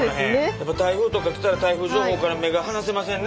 やっぱ台風とか来たら台風情報から目が離せませんな。